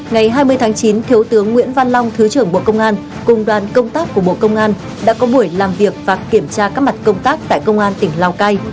ngày hai mươi tháng chín thiếu tướng nguyễn văn long thứ trưởng bộ công an cùng đoàn công tác của bộ công an đã có buổi làm việc và kiểm tra các mặt công tác tại công an tỉnh lào cai